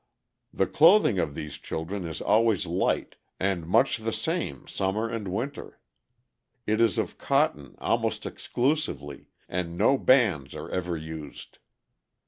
"The clothing of these children is always light, and much the same summer and winter. It is of cotton almost exclusively, and no bands are ever used.